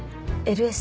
ＬＳ。